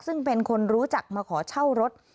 ซึ่งเป็นคนรู้จักมาขอเช่ารถ